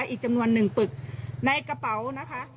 อีกจำนวนหนึ่งปึกในกระเป๋านะคะ